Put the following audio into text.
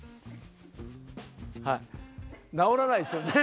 はい直らないですよね。